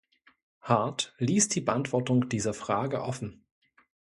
Hart ließ die Beantwortung dieser Frage offen.